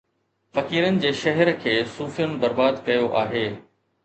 فقيرن جي شهر کي صوفين برباد ڪيو آهي